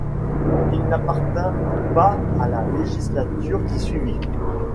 Il n'appartint pas à la législature qui suivit.